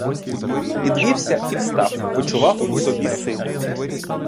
Підвівся і встав, — почував у собі силу.